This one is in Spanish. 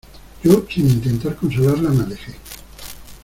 yo, sin intentar consolarla me alejé.